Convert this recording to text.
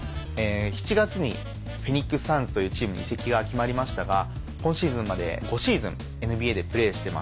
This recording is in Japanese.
７月にフェニックスサンズというチームに移籍が決まりましたが今シーズンまで５シーズンＮＢＡでプレーしてます。